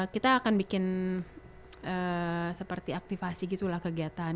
kita akan bikin seperti aktivasi gitu lah kegiatan